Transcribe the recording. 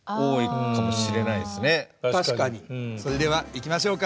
それではいきましょうか。